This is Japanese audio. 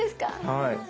はい。